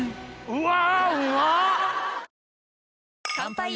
うわ！